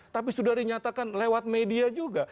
tapi sudah dinyatakan lewat media juga